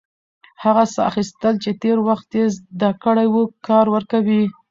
هغه ساه اخیستل چې تېر وخت يې زده کړی و، کار ورکوي.